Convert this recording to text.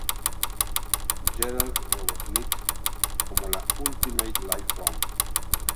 Gerald Robotnik como la "Ultimate Life Form".